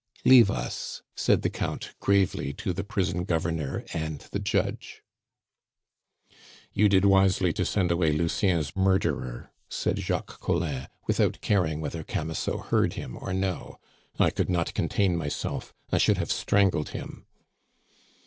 "Leave us," said the Count gravely to the prison governor and the judge. "You did wisely to send away Lucien's murderer!" said Jacques Collin, without caring whether Camusot heard him or no; "I could not contain myself, I should have strangled him."